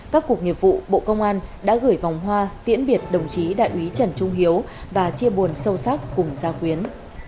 các cục nghiệp vụ bộ công an đã gửi vòng hoa tiễn biệt đồng chí đại úy trần trung hiếu và chia buồn sâu sắc cùng gia quyến